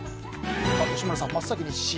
吉村さん、真っ先にＣ。